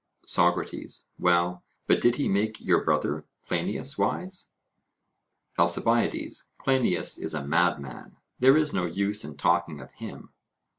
SOCRATES: Well, but did he make your brother, Cleinias, wise? ALCIBIADES: Cleinias is a madman; there is no use in talking of him.